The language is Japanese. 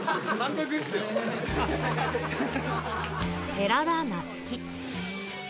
寺田夏生。